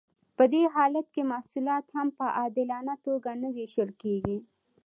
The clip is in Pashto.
په دې حالت کې محصولات هم په عادلانه توګه نه ویشل کیږي.